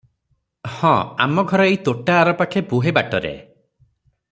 “ହଁ ଆମଘର ଏଇ ତୋଟା ଆରପାଖେ ବୁହେ ବାଟରେ' ।